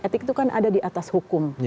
etik itu kan ada di atas hukum